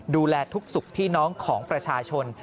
ดูแลทุกสุขพี่น้องของประชาชน